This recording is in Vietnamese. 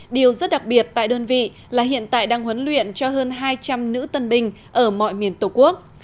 điều rất đặc biệt tại đơn vị là hiện tại đang huấn luyện cho hơn hai trăm linh nữ tân binh ở mọi miền tổ quốc